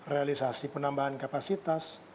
realisasi penambahan kapasitas